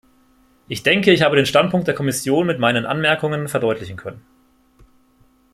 Ich denke, ich habe den Standpunkt der Kommission mit meinen Anmerkungen verdeutlichen können.